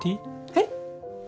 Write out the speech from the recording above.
えっ？